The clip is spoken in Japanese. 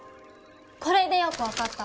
これでよく分かった。